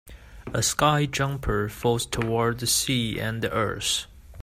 A sky jumper falls toward the sea and the earth.